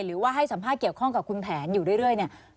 หรือว่าให้สัมภาษณ์เกี่ยวข้องกับคุณแผนอยู่เรื่อยเนี่ย